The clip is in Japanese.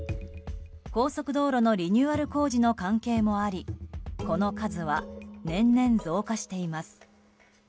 高速道路のリニューアル工事の関係もありこの数は、年々増加しています。